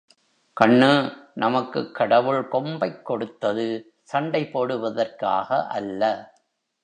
கண்ணு, நமக்குக் கடவுள் கொம்பைக் கொடுத்தது சண்டை போடுவதற்காக அல்ல.